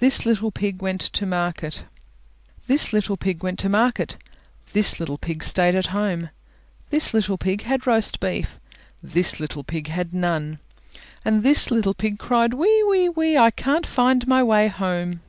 THIS LITTLE PIG WENT TO MARKET This little pig went to market; This little pig stayed at home; This little pig had roast beef; This little pig had none; This little pig cried "Wee, wee, wee! I can't find my way home!"